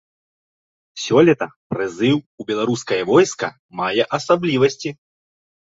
Сёлета прызыў у беларускае войска мае асаблівасці.